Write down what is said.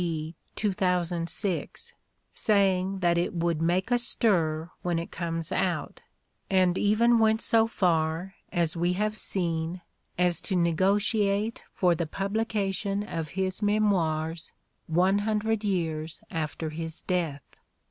D. Let Somebody Else Begin 243 2006," saying that it would "make a stir when it comes out," and even went so far, as we have seen, as to negotiate for the publication of his memoirs one hun dred years after his death.